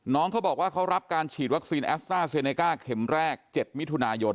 เขาบอกว่าเขารับการฉีดวัคซีนแอสต้าเซเนก้าเข็มแรก๗มิถุนายน